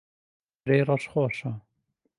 ترێی ڕەش خۆشە.